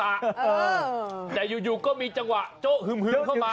น้าโมตัสตร์น้าโมตัสตร์พระสวัสดิ์โตสัมมาสัมพุทธศาสตร์